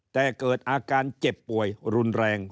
แต่เกิดอาการเจ็บป่วยรุนแรง